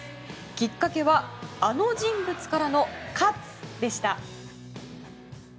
きっかけはあの人物からの喝！でした。